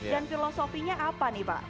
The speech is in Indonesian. dan filosofinya apa nih pak